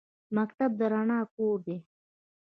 مکتب د رڼا کور دی